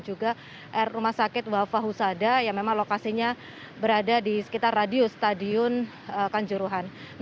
sebagai informasi bahwa data terakhir yang disampaikan oleh menteri mohadjir fnd ini bahwa korban meninggal dunia hingga posisi terakhir yang ters bands yang bebas ini adalah tiga belas orang